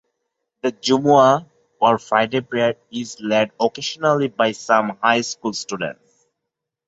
The Jummu'ah or Friday prayer is led occasionally by some high school students.